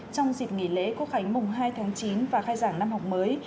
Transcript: trong dịp nghỉ lễ quốc khánh mùng hai tháng chín và khai giảng năm học mới